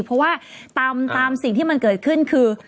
เพราะว่าตามสิ่งที่มันเกิดขึ้นคือ